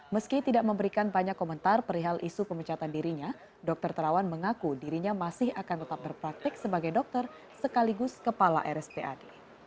meski tidak memberikan banyak komentar perihal isu pemecatan dirinya dr terawan mengaku dirinya masih akan tetap berpraktik sebagai dokter sekaligus kepala rspad